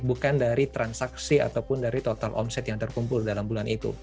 bukan dari transaksi ataupun dari total omset yang terkumpul dalam bulan itu